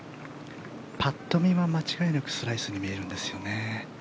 ぱっと見は間違いなくスライスに見えるんですよね。